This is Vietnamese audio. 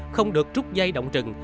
không được trút dây động trừng